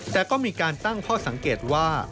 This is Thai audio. แต่ก็มีการตั้งข้อสังเกตว่า